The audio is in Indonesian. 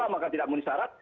maka tidak muncul syarat